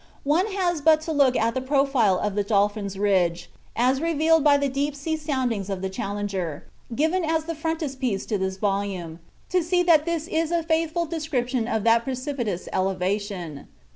One has but to look at the profile of the "Dolphin's Ridge," as revealed by the deep sea soundings of the Challenger, given as the frontispiece to this volume, to see that this is a faithful description of that precipitous elevation.